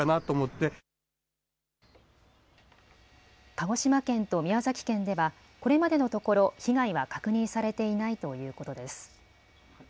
鹿児島県と宮崎県ではこれまでのところ、被害は確認されていないということです。